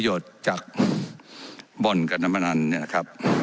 ไม่ได้เป็นประธานคณะกรุงตรี